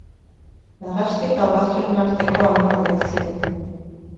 Narrasti eta ugaztunen arteko animaliak ziren.